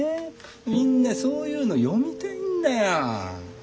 みんなそういうの読みたいんだよ。